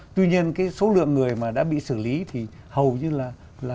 tuy nhiên cái số lượng người mà đã bị xử lý thì hầu như là